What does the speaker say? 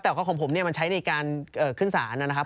แต่ของผมมันใช้ในการขึ้นศาลนะครับ